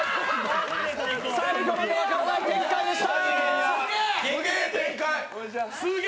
最後まで分からない展開でした。